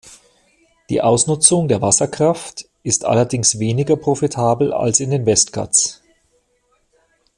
Die Ausnutzung der Wasserkraft ist allerdings weniger profitabel als in den Westghats.